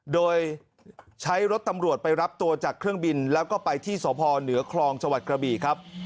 โดยใช้รถตำรวจไปรับตัวจากเครื่องบินแล้วก็ไปที่สพเหนือคลองจังหวัดกระบีครับ